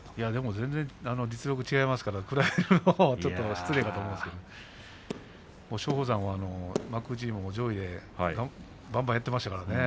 全然実力が違いますから比べるのも失礼かと思いますけれども松鳳山、幕内上位でもばんばんやっていましたからね。